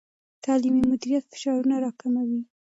تعلیمي مدیریت فشارونه راکموي.